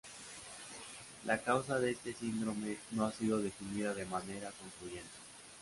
La causa de este síndrome no ha sido definida de manera concluyente.